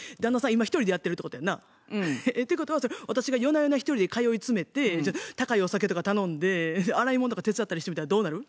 今一人でやってるってことやんな。ってことは私が夜な夜な一人で通い詰めて高いお酒とか頼んで洗い物とか手伝ったりしてみたらどうなる？